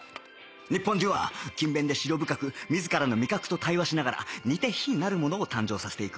日本人は勤勉で思慮深く自らの味覚と対話しながら似て非なるものを誕生させていく